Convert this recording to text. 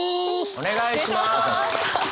お願いします！